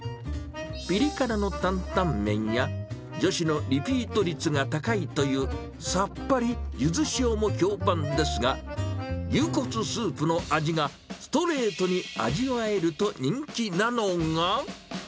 ぴり辛の担々麺や、女子のリピート率が高いというさっぱりゆず塩も評判ですが、牛骨スープの味が、ストレートに味わえると人気なのが。